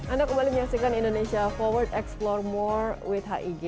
anda kembali menyaksikan indonesia forward explore more with hig